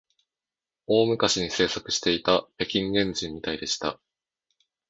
大昔に生息していた北京原人みたいでした